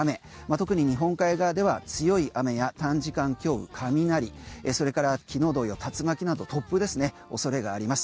特に日本海側では強い雨や短時間強雨、雷それから昨日同様竜巻など突風の恐れがあります。